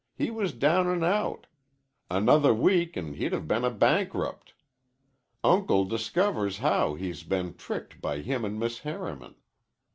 He was down an' out. Another week, an' he'd have been a bankrupt. Uncle discovers how he's been tricked by him an' Miss Harriman.